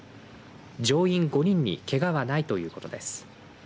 乗員５人にけがはないということです。